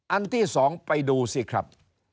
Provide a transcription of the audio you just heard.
อันที่๒ไปดูสิครับ